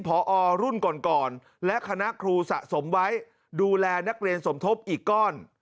พอรุ่นก่อนก่อนและคณะครูสะสมไว้ดูแลนักเรียนสมทบอีกก้อน